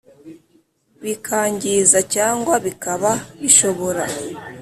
Bikangiza cyangwa bikaba bishobora